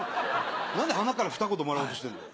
何ではなっからふた言もらおうとしてんだよ。